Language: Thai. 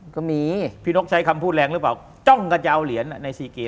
ก็มีพี่นกใช้คำพูดแรงหรือเปล่าจ้องกันจะเอาเหรียญในซีเกม